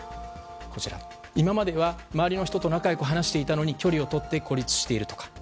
今までは周りの人と仲良く話していたのに距離をとって、孤立しているとか。